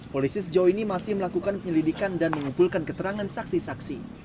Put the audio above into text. polisi sejauh ini masih melakukan penyelidikan dan mengumpulkan keterangan saksi saksi